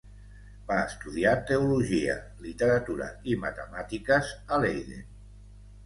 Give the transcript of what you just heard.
Va estudiar teologia, literatura i matemàtiques a Leiden.